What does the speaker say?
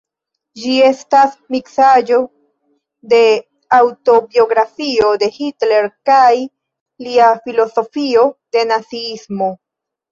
Ĝi estas miksaĵo de aŭtobiografio de Hitler kaj lia filozofio de naziismo.